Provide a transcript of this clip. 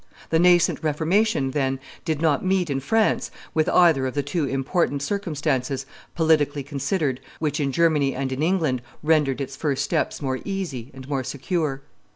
The nascent Reformation, then, did not meet in France with either of the two important circumstances, politically considered, which in Germany and in England rendered its first steps more easy and more secure.